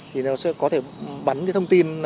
thì nó sẽ có thể bắn cái thông tin